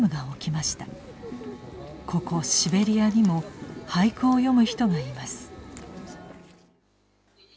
ここシベリアにも俳句を詠む人がいます。